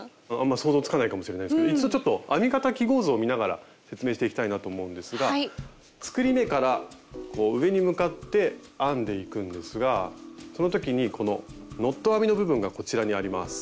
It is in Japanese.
想像つかないかもしれないですけど一度ちょっと編み方記号図を見ながら説明していきたいなと思うんですが作り目から上に向かって編んでいくんですがその時にこのノット編みの部分がこちらにあります。